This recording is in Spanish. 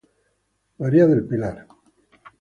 Mª del Pilar.